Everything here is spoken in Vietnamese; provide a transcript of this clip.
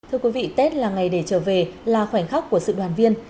thưa quý vị tết là ngày để trở về là khoảnh khắc của sự đoàn viên